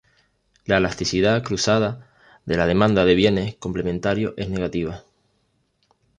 La elasticidad cruzada de la demanda de bienes complementarios es negativa.